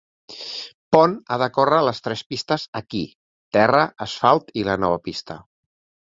Pond ha de córrer les tres pistes aquí: terra, asfalt i la nova pista.